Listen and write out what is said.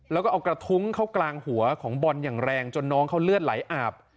แล้วก็เอากระทุ้งเข้ากลางหัวของบอลอย่างแรงจนน้องเขาเลือดไหลอาบ